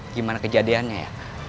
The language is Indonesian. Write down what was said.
gimana kejadiannya ya